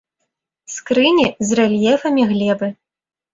Скрыні з рэльефамі глебы.